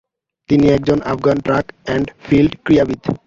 তিনি একজন Afghan track and field ক্রীড়াবিদ।